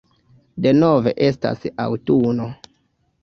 Denove estas aŭtuno.